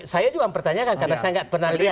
saya juga mempertanyakan karena saya nggak pernah lihat